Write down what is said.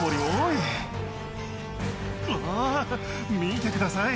うわ見てください